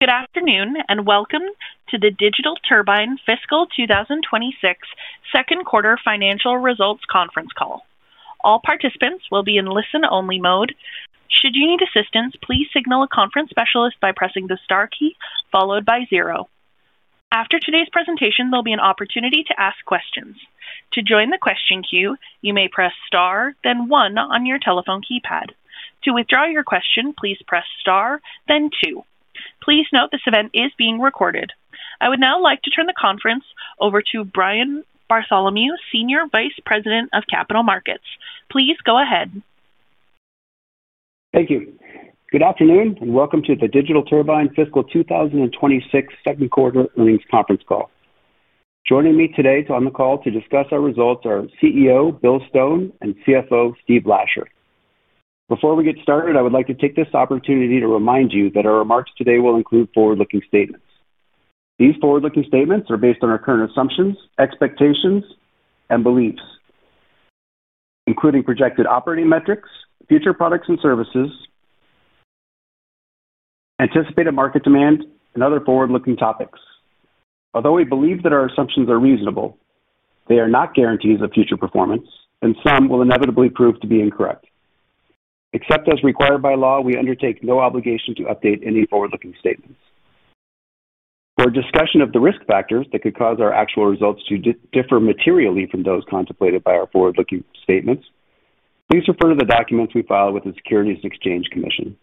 Good afternoon and welcome to the Digital Turbine Fiscal 2026 Second Quarter Financial Results conference call. All participants will be in listen-only mode. Should you need assistance, please signal a conference specialist by pressing the star key followed by zero. After today's presentation, there'll be an opportunity to ask questions. To join the question queue, you may press star, then one on your telephone keypad. To withdraw your question, please press star, then two. Please note this event is being recorded. I would now like to turn the conference over to Brian Bartholomew, Senior Vice President of Capital Markets. Please go ahead. Thank you. Good afternoon and welcome to the Digital Turbine Fiscal 2026 Second Quarter Earnings conference call. Joining me today on the call to discuss our results are CEO Bill Stone and CFO Steve Lasher. Before we get started, I would like to take this opportunity to remind you that our remarks today will include forward-looking statements. These forward-looking statements are based on our current assumptions, expectations, and beliefs, including projected operating metrics, future products and services, anticipated market demand, and other forward-looking topics. Although we believe that our assumptions are reasonable, they are not guarantees of future performance, and some will inevitably prove to be incorrect. Except as required by law, we undertake no obligation to update any forward-looking statements. For discussion of the risk factors that could cause our actual results to differ materially from those contemplated by our forward-looking statements, please refer to the documents we file with the Securities and Exchange Commission.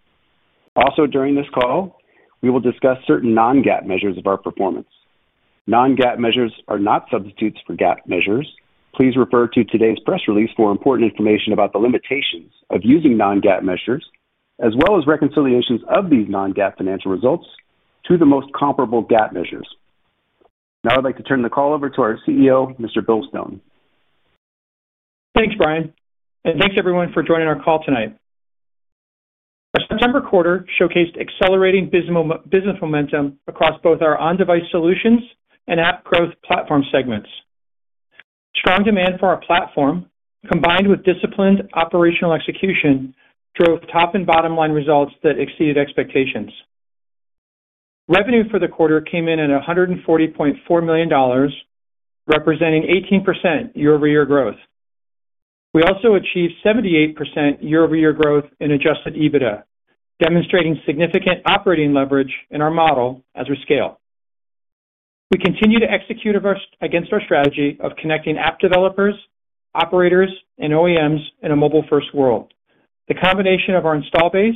Also, during this call, we will discuss certain non-GAAP measures of our performance. Non-GAAP measures are not substitutes for GAAP measures. Please refer to today's press release for important information about the limitations of using non-GAAP measures, as well as reconciliations of these non-GAAP financial results to the most comparable GAAP measures. Now I'd like to turn the call over to our CEO, Mr. Bill Stone. Thanks, Brian, and thanks everyone for joining our call tonight. Our September quarter showcased accelerating business momentum across both our On-Device Solutions and App Growth Platform segments. Strong demand for our platform, combined with disciplined operational execution, drove top and bottom-line results that exceeded expectations. Revenue for the quarter came in at $140.4 million, representing 18% year-over-year growth. We also achieved 78% year-over-year growth in Adjusted EBITDA, demonstrating significant operating leverage in our model as we scale. We continue to execute against our strategy of connecting app developers, operators, and OEMs in a mobile-first world. The combination of our install base,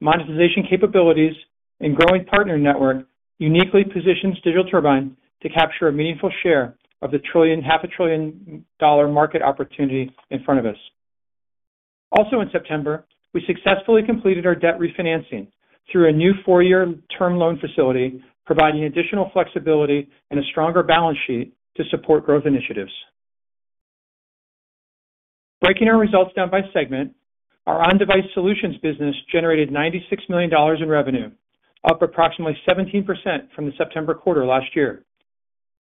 monetization capabilities, and growing partner network uniquely positions Digital Turbine to capture a meaningful share of the trillion-half-a-trillion dollar market opportunity in front of us. Also, in September, we successfully completed our debt refinancing through a new four-year term loan facility, providing additional flexibility and a stronger balance sheet to support growth initiatives. Breaking our results down by segment, our On Device Solutions business generated $96 million in revenue, up approximately 17% from the September quarter last year.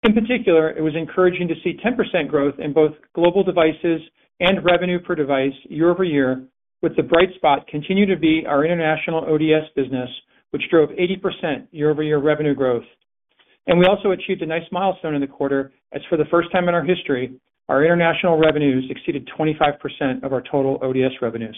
In particular, it was encouraging to see 10% growth in both global devices and revenue per device year-over-year, with the bright spot continuing to be our international ODS business, which drove 80% year-over-year revenue growth. And we also achieved a nice milestone in the quarter, as for the first time in our history, our international revenues exceeded 25% of our total ODS revenues.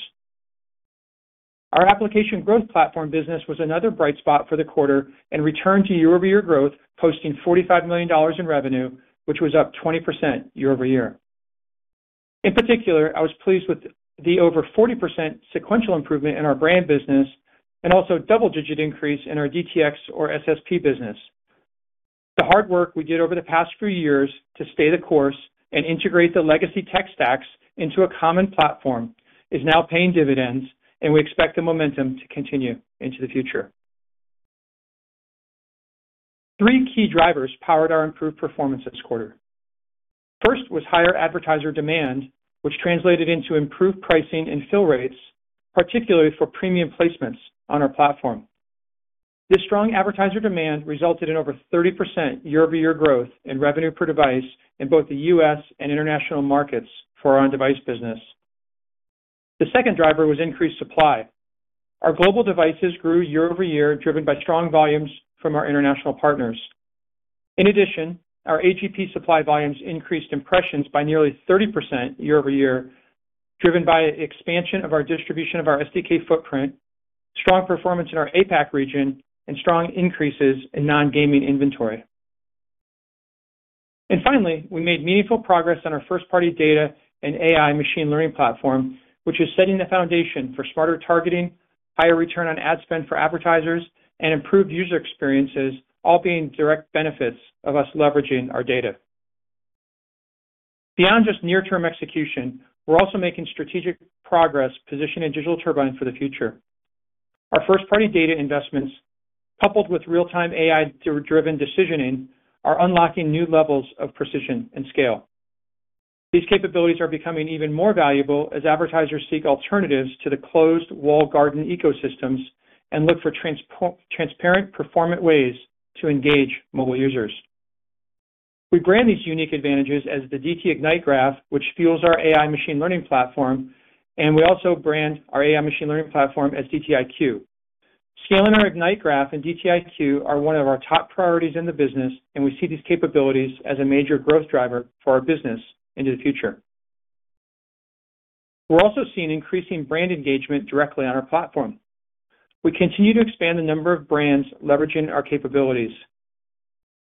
Our App Growth Platform business was another bright spot for the quarter and returned to year-over-year growth, posting $45 million in revenue, which was up 20% year-over-year. In particular, I was pleased with the over 40% sequential improvement in our brand business and also double-digit increase in our DTX or SSP business. The hard work we did over the past few years to stay the course and integrate the legacy tech stacks into a common platform is now paying dividends, and we expect the momentum to continue into the future. Three key drivers powered our improved performance this quarter. First was higher advertiser demand, which translated into improved pricing and fill rates, particularly for premium placements on our platform. This strong advertiser demand resulted in over 30% year-over-year growth in revenue per device in both the U.S. and international markets for our On Device business. The second driver was increased supply. Our global devices grew year-over-year, driven by strong volumes from our international partners. In addition, our AGP supply volumes increased impressions by nearly 30% year-over-year, driven by expansion of our distribution of our SDK footprint, strong performance in our APAC region, and strong increases in non-gaming inventory. And finally, we made meaningful progress on our first-party data and AI machine learning platform, which is setting the foundation for smarter targeting, higher return on ad spend for advertisers, and improved user experiences, all being direct benefits of us leveraging our data. Beyond just near-term execution, we are also making strategic progress positioning Digital Turbine for the future. Our first-party data investments, coupled with real-time AI-driven decisioning, are unlocking new levels of precision and scale. These capabilities are becoming even more valuable as advertisers seek alternatives to the closed walled-garden ecosystems and look for transparent, performant ways to engage mobile users. We brand these unique advantages as the DT Ignite Graph, which fuels our AI machine learning platform, and we also brand our AI machine learning platform as DTIQ. Scaling our Ignite Graph and DTIQ are one of our top priorities in the business, and we see these capabilities as a major growth driver for our business into the future. We're also seeing increasing brand engagement directly on our platform. We continue to expand the number of brands leveraging our capabilities.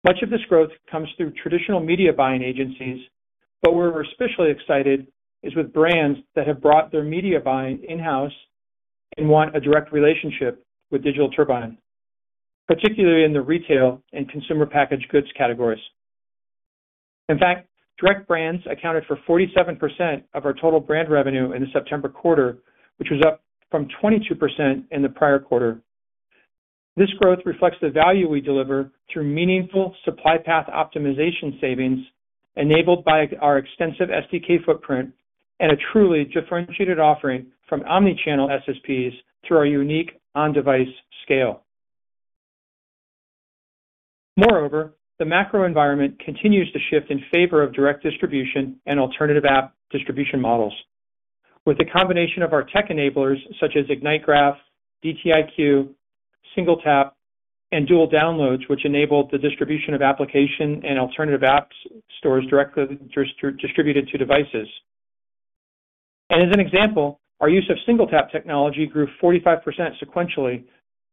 Much of this growth comes through traditional media buying agencies, but we're especially excited with brands that have brought their media buying in-house and want a direct relationship with Digital Turbine, particularly in the retail and consumer packaged goods categories. In fact, direct brands accounted for 47% of our total brand revenue in the September quarter, which was up from 22% in the prior quarter. This growth reflects the value we deliver through meaningful supply path optimization savings enabled by our extensive SDK footprint and a truly differentiated offering from omnichannel SSPs through our unique on-device scale. Moreover, the macro environment continues to shift in favor of direct distribution and alternative app distribution models. With the combination of our tech enablers such as Ignite Graph, DTIQ, SingleTap, and dual downloads, which enabled the distribution of application and alternative app stores directly distributed to devices. And as an example, our use of SingleTap technology grew 45% sequentially,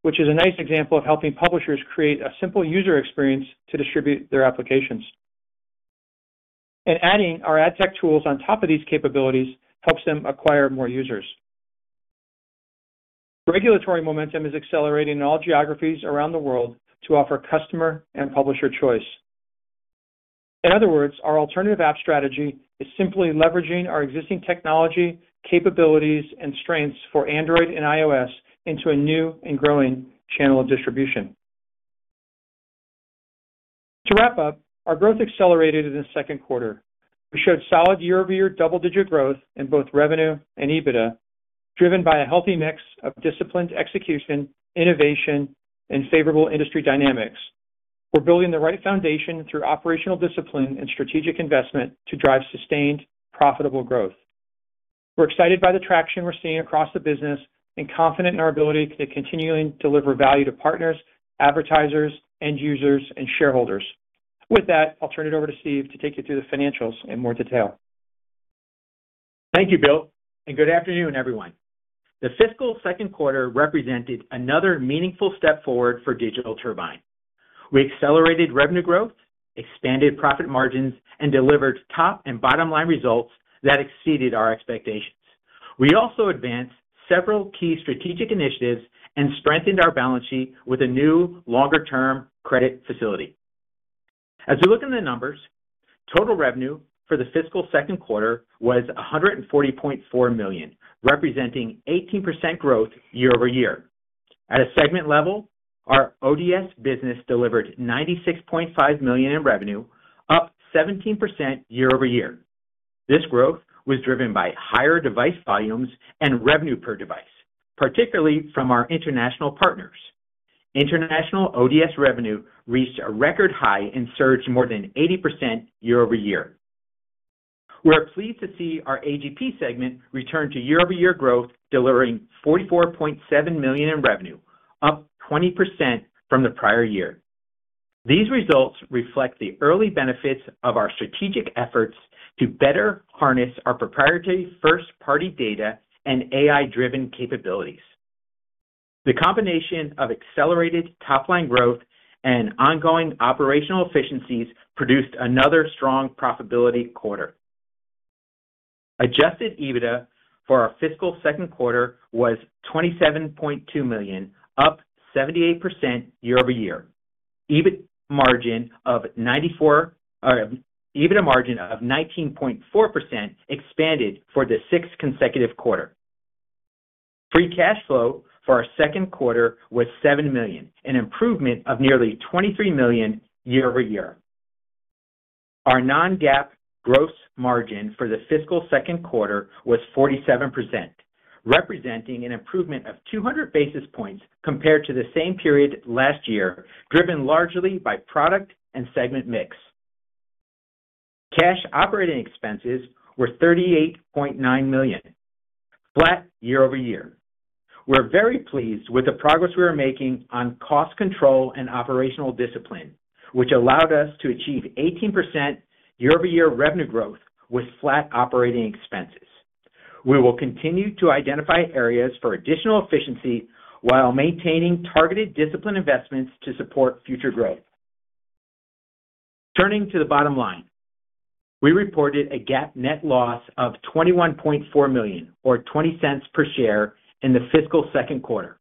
which is a nice example of helping publishers create a simple user experience to distribute their applications. And adding our ad tech tools on top of these capabilities helps them acquire more users. Regulatory momentum is accelerating in all geographies around the world to offer customer and publisher choice. In other words, our alternative app strategy is simply leveraging our existing technology, capabilities, and strengths for Android and iOS into a new and growing channel of distribution. To wrap up, our growth accelerated in the second quarter. We showed solid year-over-year double-digit growth in both revenue and EBITDA, driven by a healthy mix of disciplined execution, innovation, and favorable industry dynamics. We're building the right foundation through operational discipline and strategic investment to drive sustained, profitable growth. We're excited by the traction we're seeing across the business and confident in our ability to continually deliver value to partners, advertisers, end users, and shareholders. With that, I'll turn it over to Steve to take you through the financials in more detail. Thank you, Bill, and good afternoon, everyone. The fiscal second quarter represented another meaningful step forward for Digital Turbine. We accelerated revenue growth, expanded profit margins, and delivered top and bottom-line results that exceeded our expectations. We also advanced several key strategic initiatives and strengthened our balance sheet with a new longer-term credit facility. As we look at the numbers, total revenue for the fiscal second quarter was $140.4 million, representing 18% growth year-over-year. At a segment level, our ODS business delivered $96.5 million in revenue, up 17% year-over-year. This growth was driven by higher device volumes and revenue per device, particularly from our international partners. International ODS revenue reached a record high and surged more than 80% year-over-year. We're pleased to see our AGP segment return to year-over-year growth, delivering $44.7 million in revenue, up 20% from the prior year. These results reflect the early benefits of our strategic efforts to better harness our proprietary first-party data and AI-driven capabilities. The combination of accelerated top-line growth and ongoing operational efficiencies produced another strong profitability quarter. Adjusted EBITDA for our fiscal second quarter was $27.2 million, up 78% year-over-year. EBITDA margin of 19.4% expanded for the sixth consecutive quarter. Free cash flow for our second quarter was $7 million, an improvement of nearly $23 million year-over-year. Our non-GAAP gross margin for the fiscal second quarter was 47%. Representing an improvement of 200 basis points compared to the same period last year, driven largely by product and segment mix. Cash operating expenses were $38.9 million, flat year-over-year. We're very pleased with the progress we are making on cost control and operational discipline, which allowed us to achieve 18% year-over-year revenue growth with flat operating expenses. We will continue to identify areas for additional efficiency while maintaining targeted discipline investments to support future growth. Turning to the bottom line, we reported a GAAP net loss of $21.4 million, or $0.20 per share, in the fiscal second quarter.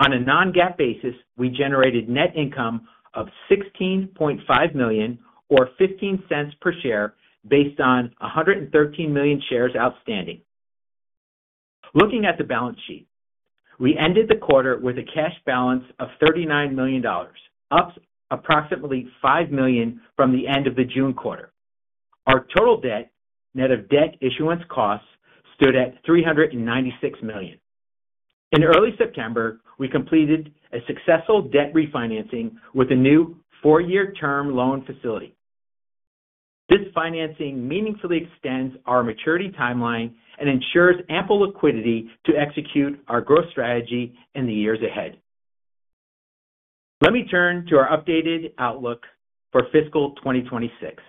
On a Non-GAAP basis, we generated net income of $16.5 million, or $0.15 per share, based on 113 million shares outstanding. Looking at the balance sheet, we ended the quarter with a cash balance of $39 million, up approximately $5 million from the end of the June quarter. Our total debt, net of debt issuance costs, stood at $396 million. In early September, we completed a successful debt refinancing with a new four-year term loan facility. This financing meaningfully extends our maturity timeline and ensures ample liquidity to execute our growth strategy in the years ahead. Let me turn to our updated outlook for fiscal 2026.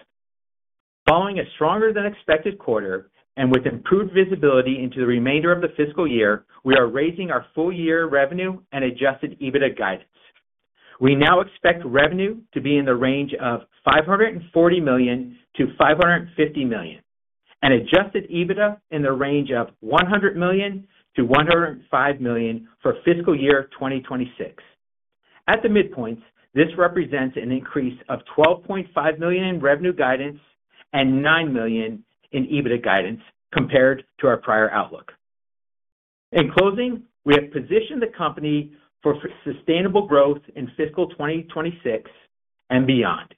Following a stronger-than-expected quarter and with improved visibility into the remainder of the fiscal year, we are raising our full-year revenue and Adjusted EBITDA guidance. We now expect revenue to be in the range of $540 million-$550 million, and Adjusted EBITDA in the range of $100 million-$105 million for fiscal year 2026. At the midpoint, this represents an increase of $12.5 million in revenue guidance and $9 million in EBITDA guidance compared to our prior outlook. In closing, we have positioned the company for sustainable growth in fiscal 2026 and beyond.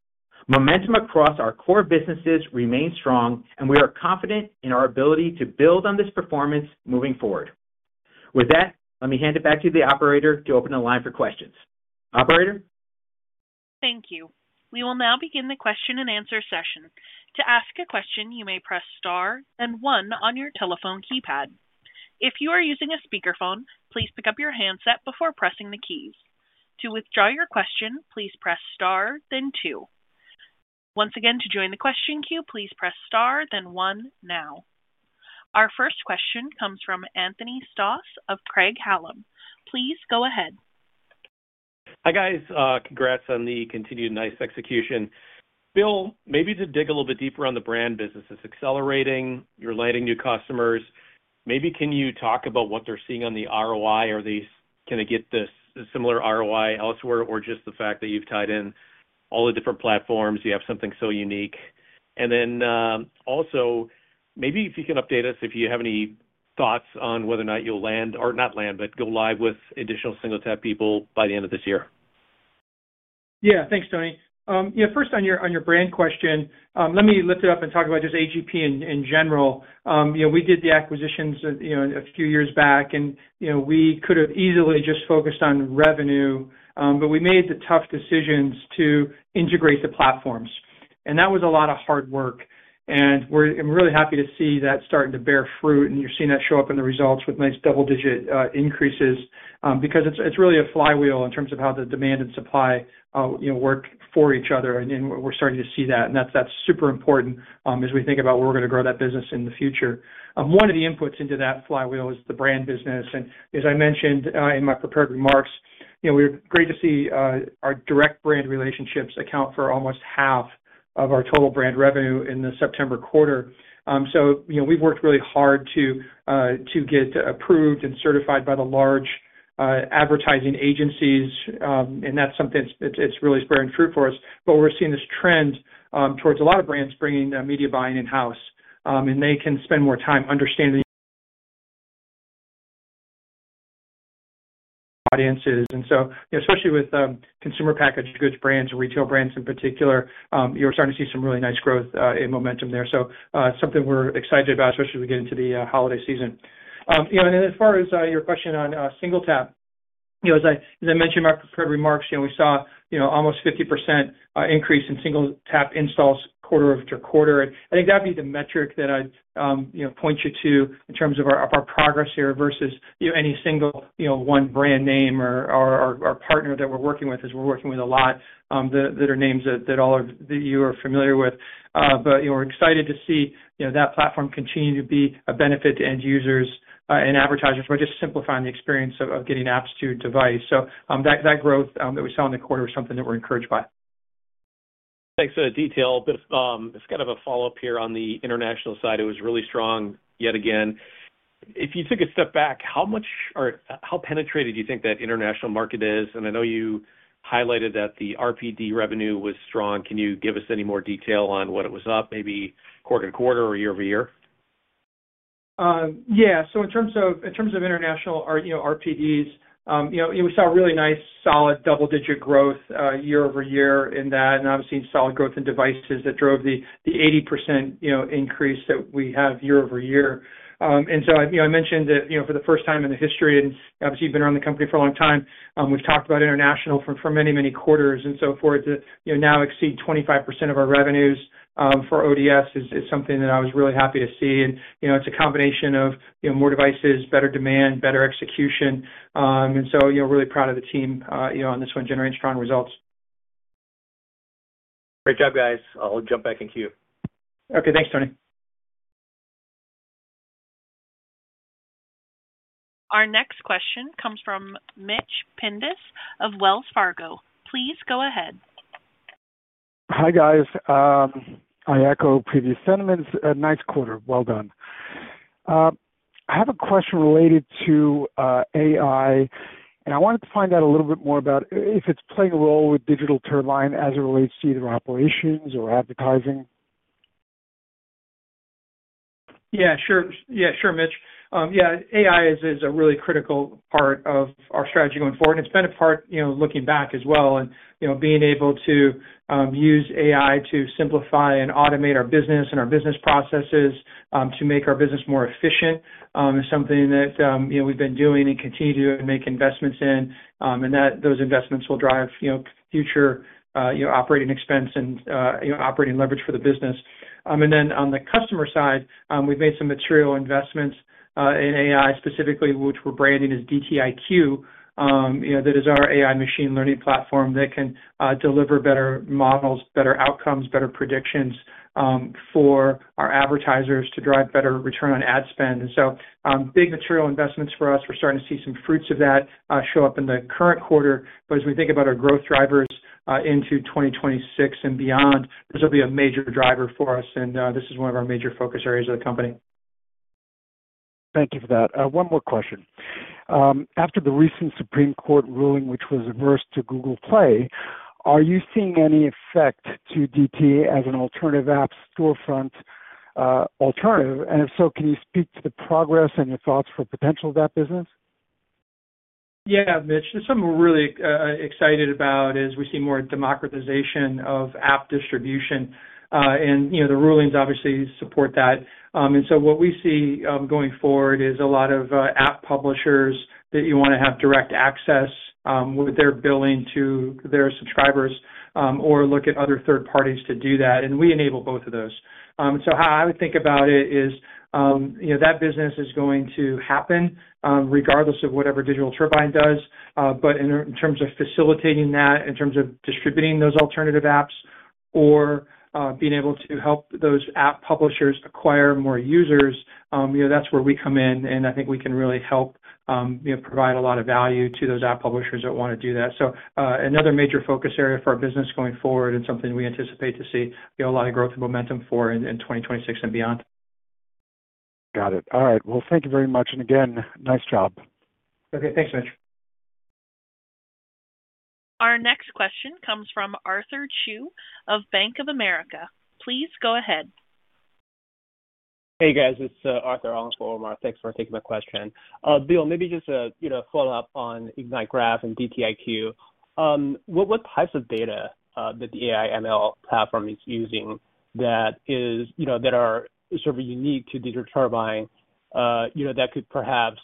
Momentum across our core businesses remains strong, and we are confident in our ability to build on this performance moving forward. With that, let me hand it back to the operator to open the line for questions. Operator? Thank you. We will now begin the question-and-answer session. To ask a question, you may press star then one on your telephone keypad. If you are using a speakerphone, please pick up your handset before pressing the keys. To withdraw your question, please press star, then two. Once again, to join the question queue, please press star, then one now. Our first question comes from Anthony Stoss of Craig-Hallum. Please go ahead. Hi, guys. Congrats on the continued nice execution. Bill, maybe to dig a little bit deeper on the brand business, it's accelerating. You're landing new customers. Maybe can you talk about what they're seeing on the ROI? Are they going to get this similar ROI elsewhere or just the fact that you've tied in all the different platforms? You have something so unique. And then also, maybe if you can update us if you have any thoughts on whether or not you'll land or not land, but go live with additional SingleTap people by the end of this year. Yeah, thanks, Tony. First, on your brand question, let me lift it up and talk about just AGP in general. We did the acquisitions a few years back, and we could have easily just focused on revenue, but we made the tough decisions to integrate the platforms. And that was a lot of hard work, and we're really happy to see that starting to bear fruit, and you're seeing that show up in the results with nice double-digit increases because it's really a flywheel in terms of how the demand and supply work for each other. And we're starting to see that, and that's super important as we think about where we're going to grow that business in the future. One of the inputs into that flywheel is the brand business. And as I mentioned in my prepared remarks, it would be great to see our direct brand relationships account for almost half of our total brand revenue in the September quarter. So we've worked really hard to get approved and certified by the large advertising agencies. And that's something that's really sprouting fruit for us. But we're seeing this trend towards a lot of brands bringing media buying in-house. And they can spend more time understanding audiences. And so especially with consumer packaged goods brands and retail brands in particular, you're starting to see some really nice growth and momentum there. So it's something we're excited about, especially as we get into the holiday season. And then as far as your question on SingleTap, as I mentioned in my prepared remarks, we saw almost a 50% increase in SingleTap installs quarter after quarter. And I think that'd be the metric that I'd point you to in terms of our progress here versus any single one brand name or partner that we're working with, as we're working with a lot that are names that you are familiar with. But we're excited to see that platform continue to be a benefit to end users and advertisers by just simplifying the experience of getting apps to device. So that growth that we saw in the quarter was something that we're encouraged by. Thanks for the detail. It's kind of a follow-up here on the international side. It was really strong yet again. If you took a step back, how penetrated do you think that international market is? And I know you highlighted that the RPD revenue was strong. Can you give us any more detail on what it was up, maybe quarter to quarter or year over year? Yeah. So in terms of international RPDs, we saw really nice, solid double-digit growth year over year in that. And obviously, solid growth in devices that drove the 80% increase that we have year over year. And so I mentioned that for the first time in the history, and obviously, you've been around the company for a long time, we've talked about international for many, many quarters and so forth. Now, exceeding 25% of our revenues for ODS is something that I was really happy to see. And it's a combination of more devices, better demand, better execution. And so really proud of the team on this one generating strong results. Great job, guys. I'll jump back in queue. Okay. Thanks, Tony. Our next question comes from Mitch Pindus of Wells Fargo. Please go ahead. Hi, guys. I echo previous sentiments. Nice quarter. Well done. I have a question related to AI, and I wanted to find out a little bit more about if it's playing a role with Digital Turbine as it relates to either operations or advertising. Yeah, sure. Yeah, sure, Mitch. Yeah, AI is a really critical part of our strategy going forward. And it's been a part looking back as well and being able to use AI to simplify and automate our business and our business processes to make our business more efficient is something that we've been doing and continue to make investments in. And those investments will drive future operating expense and operating leverage for the business. And then on the customer side, we've made some material investments in AI specifically, which we're branding as DTIQ. That is our AI machine learning platform that can deliver better models, better outcomes, better predictions for our advertisers to drive better return on ad spend. And so big material investments for us. We're starting to see some fruits of that show up in the current quarter. But as we think about our growth drivers into 2026 and beyond, this will be a major driver for us. And this is one of our major focus areas of the company. Thank you for that. One more question. After the recent Supreme Court ruling, which was adverse to Google Play, are you seeing any effect on DT as an alternative app storefront? Alternative? And if so, can you speak to the progress and your thoughts on potential of that business? Yeah, Mitch. There's something we're really excited about is we see more democratization of app distribution. And the rulings obviously support that. And so what we see going forward is a lot of app publishers that you want to have direct access with their billing to their subscribers or look at other third parties to do that. And we enable both of those. And so how I would think about it is. That business is going to happen regardless of whatever Digital Turbine does. But in terms of facilitating that, in terms of distributing those alternative apps or being able to help those app publishers acquire more users, that's where we come in. And I think we can really help. Provide a lot of value to those app publishers that want to do that. So another major focus area for our business going forward and something we anticipate to see a lot of growth and momentum for in 2026 and beyond. Got it. All right. Well, thank you very much. And again, nice job. Okay. Thanks, Mitch. Our next question comes from Arthur Chu of Bank of America. Please go ahead. Hey, guys. It's Arthur on for Omar. Thanks for taking my question. Bill, maybe just a follow-up on Ignite Graph and DTIQ. What types of data that the AI/ML platform is using that are sort of unique to Digital Turbine that could perhaps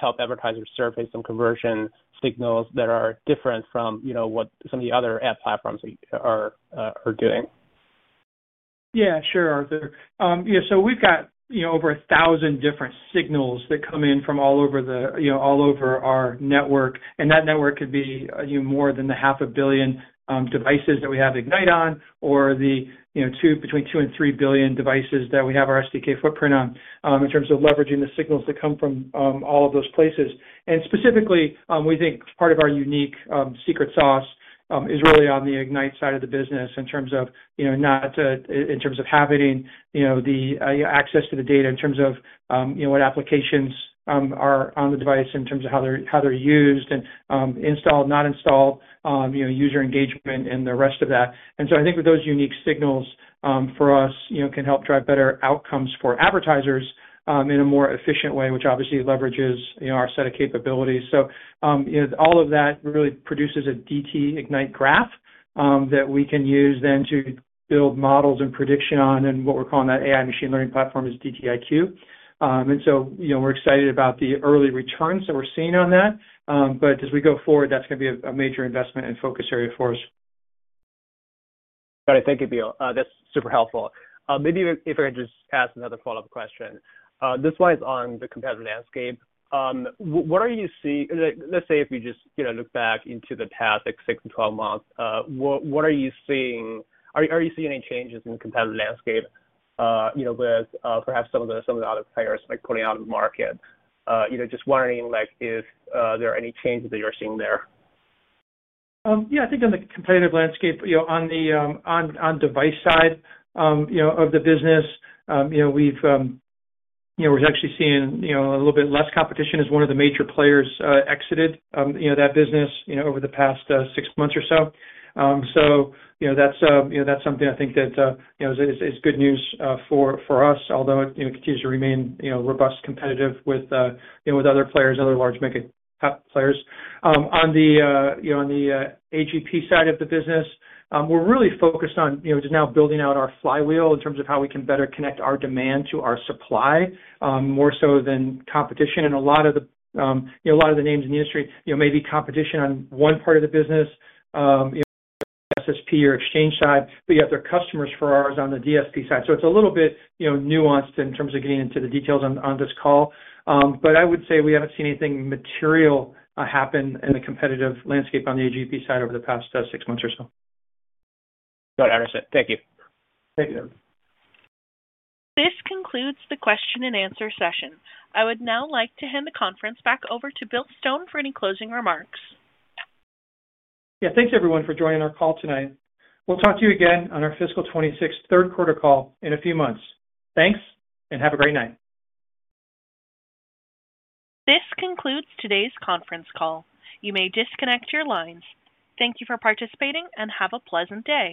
help advertisers surface some conversion signals that are different from what some of the other app platforms are doing? Yeah, sure, Arthur. Yeah, so we've got over 1,000 different signals that come in from all over the our network. And that network could be more than 500 million devices that we have Ignite on or between 2 and 3 billion devices that we have our SDK footprint on in terms of leveraging the signals that come from all of those places. And specifically, we think part of our unique secret sauce is really on the Ignite side of the business in terms of having the access to the data in terms of what applications are on the device in terms of how they're used and installed, user engagement, and the rest of that. And so I think with those unique signals for us can help drive better outcomes for advertisers in a more efficient way, which obviously leverages our set of capabilities. So all of that really produces a DT Ignite Graph that we can use then to build models and prediction on. And what we're calling that AI machine learning platform is DTIQ. And so we're excited about the early returns that we're seeing on that. But as we go forward, that's going to be a major investment and focus area for us. Got it. Thank you, Bill. That's super helpful. Maybe if I could just ask another follow-up question. This one is on the competitive landscape. What are you seeing? Let's say if you just look back into the past six to 12 months, what are you seeing? Are you seeing any changes in the competitive landscape? With perhaps some of the other players pulling out of the market? Just wondering if there are any changes that you're seeing there. Yeah, I think on the competitive landscape, on the device side of the business. We're actually seeing a little bit less competition as one of the major players exited that business over the past six months or so. So that's something I think that is good news for us, although it continues to remain robust, competitive with other players, other large mega players. On the AGP side of the business, we're really focused on just now building out our flywheel in terms of how we can better connect our demand to our supply more so than competition. And a lot of the names in the industry may be competition on one part of the business, SSP or exchange side, but you have their customers for ours on the DSP side. So it's a little bit nuanced in terms of getting into the details on this call, but I would say we haven't seen anything material happen in the competitive landscape on the AGP side over the past six months or so. Got it. Understood. Thank you. Thank you. This concludes the question and answer session. I would now like to hand the conference back over to Bill Stone for any closing remarks. Yeah, thanks, everyone, for joining our call tonight. We'll talk to you again on our fiscal 2026 third quarter call in a few months. Thanks, and have a great night. This concludes today's conference call. You may disconnect your lines. Thank you for participating and have a pleasant day.